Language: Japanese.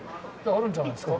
あるんじゃないですか。